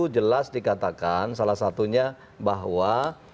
jelas dikatakan salah satunya bahwa